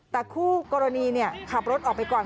แต่คู่กรณีขับรถออกไปก่อน